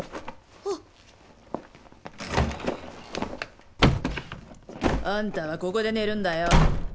あ。あんたはここで寝るんだよ。